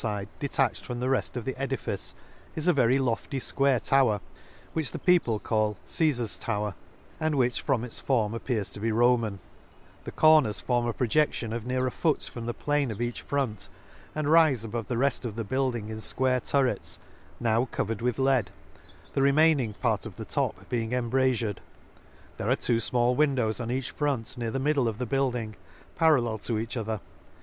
35* detached from the reft of the edifice, is a very lofty fquare tower, which the peo ple call Csefar's tower, and which from its form appears to be Roman ;— the cor ners form a projection of near a foot from the plane of each front, and rife above the reft of the building in fquare turrets, now covered with lead, the remaining part of the top being embrafured ;— there are two fmall windows on each front near the middle of the building, parallel to each other.